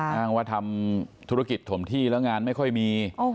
อ้างว่าทำธุรกิจถมที่แล้วงานไม่ค่อยมี